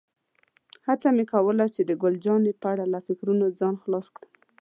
هڅه مې کوله چې د ګل جانې په اړه له فکرونو ځان خلاص کړم.